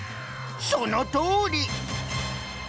そのとおり！